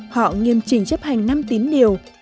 họ nghiêm trình chấp hành năm tín điều